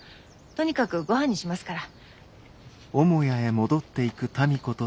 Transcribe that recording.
とにかくごはんにしますから。